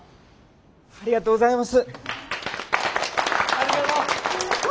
ありがとうございます。